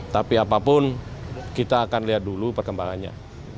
tapi apapun kita akan lihat dulu perkembangannya